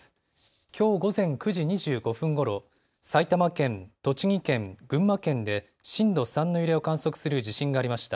きょう午前９時２５分ごろ、埼玉県、栃木県、群馬県で震度３の揺れを観測する地震がありました。